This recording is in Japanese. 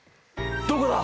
どこだ？